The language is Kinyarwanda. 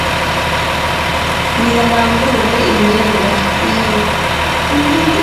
nibarambure imyenda y’ihema